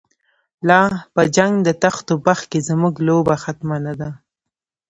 لاپه جنګ دتخت اوبخت کی، زموږ لوبه ختمه نه ده